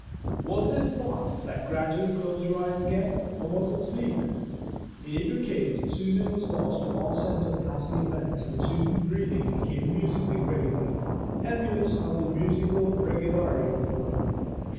Was it thought that gradually closed her eyes again? or was it sleep? In either case, Susan was lost to all sense of passing events; and Susan's breathing became musically regular, emulous of the musical regularity of the brook.